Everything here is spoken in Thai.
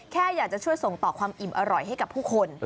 แค่อยากจะช่วยส่งต่อความอิ่มอร่อยให้กับผู้คน